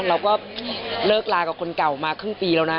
เราก็เลิกลากับคนเก่ามาครึ่งปีแล้วนะ